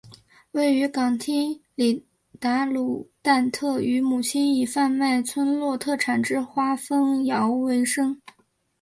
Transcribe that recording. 位于港町里达鲁旦特与母亲以贩卖村落特产之花封药为生。